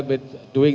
antara dua pilot ini